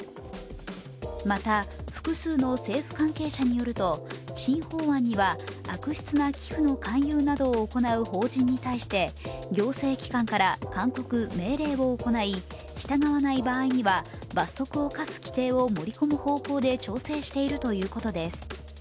また複数の政府関係者によると新法案には、悪質な寄付の勧誘を行う法人に対して行政機関から勧告・命令を行い従わない場合には罰則を科す規定を盛り込む方向で調整しているということです。